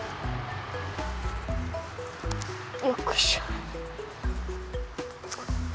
よっこいしょ。